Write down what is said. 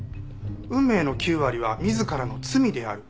運命の９割は自らの罪である。